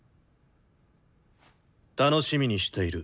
楽しみにしている。